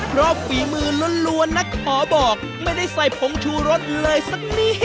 เพราะฝีมือล้วนนะขอบอกไม่ได้ใส่ผงชูรสเลยสักนิด